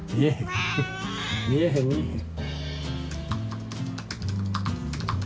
見えへん見えへん。